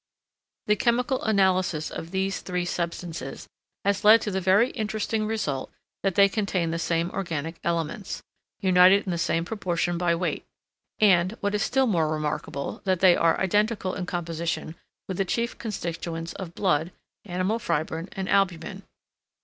The chemical analysis of these three substances has led to the very interesting result that they contain the same organic elements, united in the same proportion by weight; and, what is still more remarkable, that they are identical in composition with the chief constituents of blood, animal fibrine, and albumen.